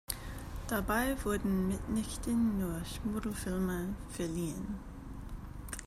Dabei wurden mitnichten nur Schmuddelfilme verliehen.